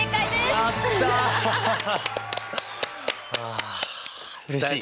あうれしい！